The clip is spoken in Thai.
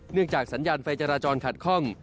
เนื่องจากสัญญาณไฟจราจรขาดคล่อง